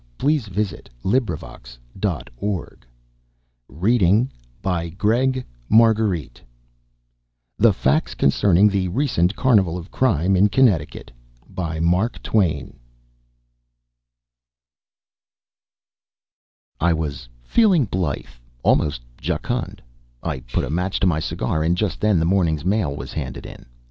End of the Project Gutenberg EBook of 1601, by Mark Twain THE FACTS CONCERNING THE RECENT CARNIVAL OF CRIME IN CONNECTICUT by Mark Twain I was feeling blithe, almost jocund. I put a match to my cigar, and just then the morning's mail was handed in.